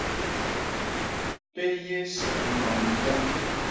Péyés nom yoñ.